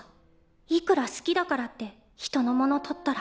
いくら好きだからって人のものとったら。